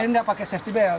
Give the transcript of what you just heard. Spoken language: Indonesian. dia tidak pakai safety belt